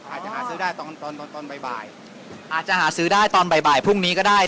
อาจจะหาซื้อได้ตอนตอนตอนตอนตอนบ่ายบ่ายอาจจะหาซื้อได้ตอนบ่ายบ่ายพรุ่งนี้ก็ได้